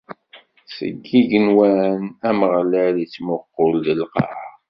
Seg yigenwan, Ameɣlal ittmuqqul-d lqaɛa.